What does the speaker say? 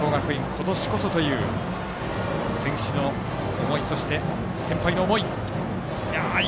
今年こそという選手の思いそして先輩の思い。